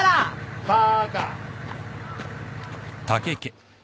バカ。